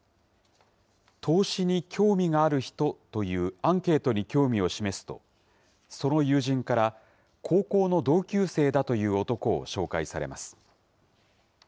投資に興味がある人？というアンケートに興味を示すと、その友人から、高校の同級生だという男を紹介されます。